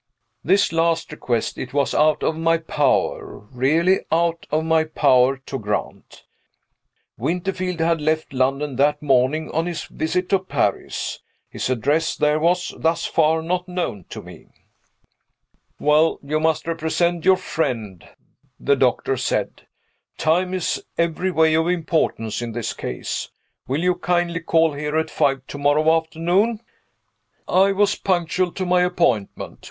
This last request it was out of my power really out of my power to grant. Winterfield had left London that morning on his visit to Paris. His address there was, thus far, not known to me. "Well, you must represent your friend," the doctor said. "Time is every way of importance in this case. Will you kindly call here at five to morrow afternoon?" I was punctual to my appointment.